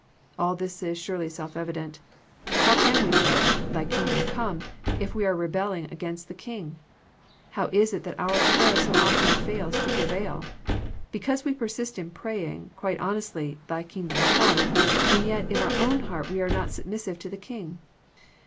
All this is surely self evident. How can we pray "Thy Kingdom come," if we are rebelling against the King ? How is it that our prayer so often fails to prevail ? Because we persist in praying, quite honestly, " Thy Kingdom come " and yet in our own heart we are not submissive to the King.